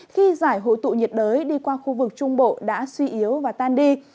khi giải hội tụ nhiệt đới đi qua khu vực trung bộ đã suy yếu và tan đi